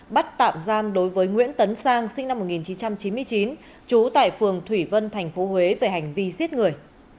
bắt tạm giam đối với nguyễn tấn sang sinh năm một nghìn chín trăm chín mươi chín trú tại phường thủy vân tp huế về hành vi giết người